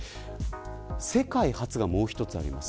世界初が、もう一つあります。